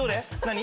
何？